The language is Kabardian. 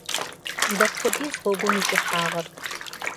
Дапхуэдиз гъуэгум и кӏыхьагъыр?